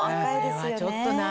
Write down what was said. それはちょっとな。